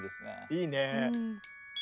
いいね。